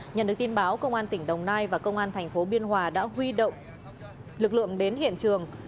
nhận được tin báo công an tỉnh đồng nai và công an thành phố biên hòa đã huy động lực lượng đến hiện trường